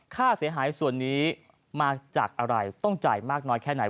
ค่าเสียหายส่วนนี้มาจากอะไรต้องจ่ายมากน้อยแค่ไหน